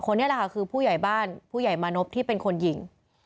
นี่แหละค่ะคือผู้ใหญ่บ้านผู้ใหญ่มานพที่เป็นคนยิง